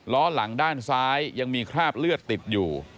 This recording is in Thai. ล้อหลังด้านซ้ายยังมีคราบเลือดติดอยู่